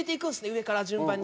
上から順番に。